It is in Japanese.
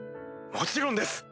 もちろんです！